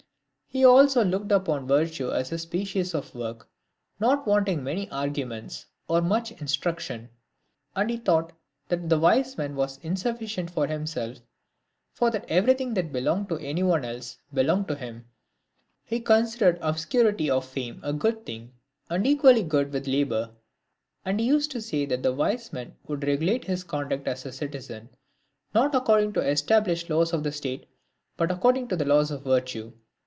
He also looked upon virtue as a species of work, not wanting many arguments, or much instruction ; and he taught that the wise man was sufficient for himself ; for that everything that belonged to any one else belonged to him. He con sidered obscurity of fame a good thing, and equally good with labour. And he used to say that the wise man would regu ANTTSTHENES. 221 late his conduct as a citizen, not according to the established laws of the state, but according to the law of virtue.